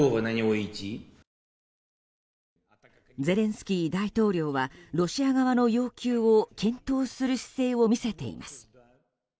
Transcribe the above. ゼレンスキー大統領はロシア側の要求を検討する姿勢を見せています。